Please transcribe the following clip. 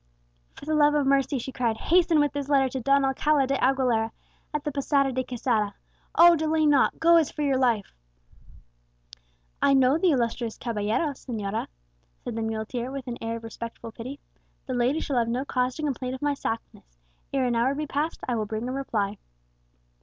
"For the love of mercy," she cried, "hasten with this letter to Don Alcala de Aguilera, at the Posada de Quesada. Oh, delay not; go as for your life!" "I know the illustrious caballero, señora," said the muleteer, with an air of respectful pity. "The lady shall have no cause to complain of my slackness; ere an hour be passed I will bring a reply."